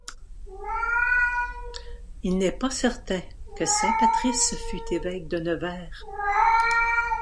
Il n'est pas certain que saint Patrice fut évêque de Nevers.